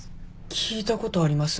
聞いたことあります。